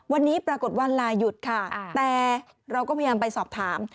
วันนี้ปรากฏวันลายหยุดค่ะแต่เราก็พยายามไปสอบถาม